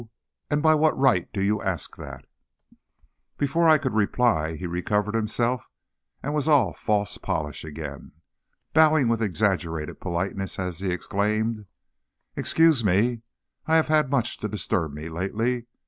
and by what right do you ask that?" But before I could reply he recovered himself and was all false polish again, bowing with exaggerated politeness, as he exclaimed: "Excuse me; I have had much to disturb me lately.